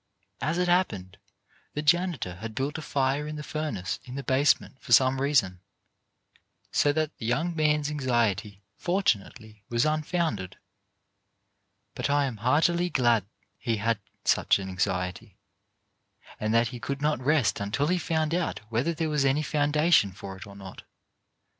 As it happened, the janitor had built a fire in the furnace in the basement for some reason, so that the young man's anxiety fortunately was unfounded, but I am heartily glad he had such an anxiety, and that he could not rest until he found out whether there was any foundation for it or not.